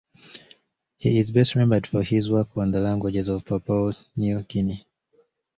He is best remembered for his work on the languages of Papua New Guinea.